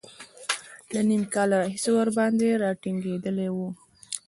له نیم کال راهیسې ورباندې را ټینګېدلی و.